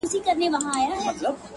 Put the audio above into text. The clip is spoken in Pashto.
زما سجده دي ستا د هيلو د جنت مخته وي،